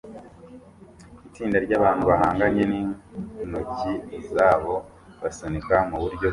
Itsinda ryabantu bahanganye nintoki zabo basunika muburyo bumwe